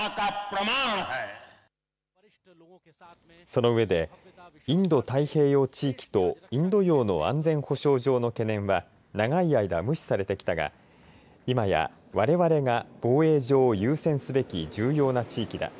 その上でインド太平洋地域とインド洋の安全保障上の懸念は長い間無視されてきたが今や、われわれが防衛上優先すべき重要な地域だ。